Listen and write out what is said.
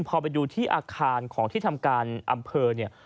พอไปดูที่อาคารของที่ทำการอำเภอเนี่ย